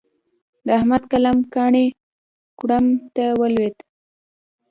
د احمد قلم کاڼی کوړم ته ولوېد.